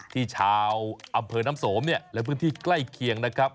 ที่ชาวอำเภอน้ำสมและพื้นที่ใกล้เคียงนะครับ